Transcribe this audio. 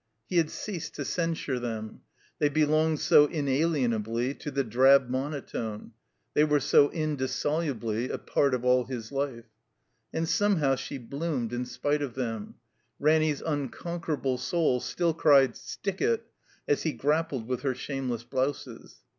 He had ceased to censure them; they belonged so inalienably to the drab monotone; they were so indissolubly a part of all his life. And somehow she bloomed in spite of them. Ranny's xmconquerable soul still cried "Stick it!" as he grappled with her shameless blouses.